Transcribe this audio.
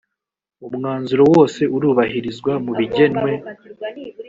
umwanzuro wose urubahirizwa mubigenwe.